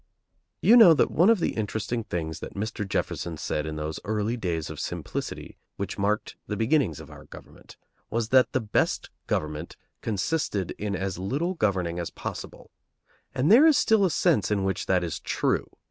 You know that one of the interesting things that Mr. Jefferson said in those early days of simplicity which marked the beginnings of our government was that the best government consisted in as little governing as possible. And there is still a sense in which that is true.